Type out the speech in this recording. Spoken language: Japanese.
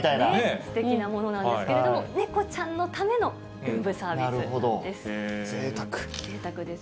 すてきなものなんですけれども、猫ちゃんのためのルームサービスなんです。